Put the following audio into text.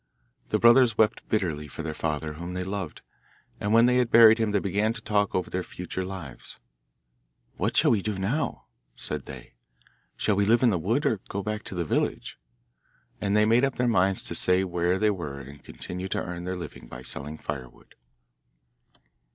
The brothers wept bitterly for their father, whom they loved, and when they had buried him they began to talk over their future lives. 'What shall we do now?' said they. 'Shall we live in the wood, or go back to the village?' And they made up their minds to stay where they were and continue to earn their living by selling firewood.